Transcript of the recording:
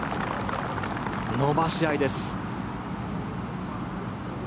伸ばし合いです。